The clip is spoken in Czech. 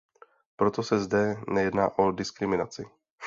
Proto se zde nejedná o diskriminaci.